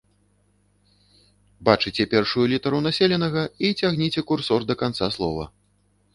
Бачыце першую літару населенага і цягніце курсор да канца слова.